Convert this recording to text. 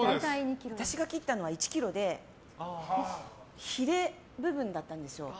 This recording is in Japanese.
私が切ったのは１ｋｇでヒレ部分だったんです。